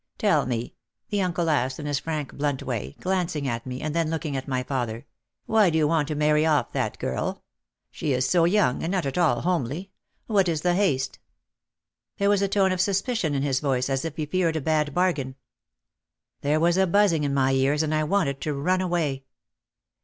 "Tell me," the uncle asked in his frank blunt way, glancing at me and then looking at my father, "why do you want to marry off that girl? She is so young, and not at all homely. What is the haste?" There was a tone of suspicion in his voice as if he feared a bad bargain. There was a buzzing in my ears and I wanted to run away.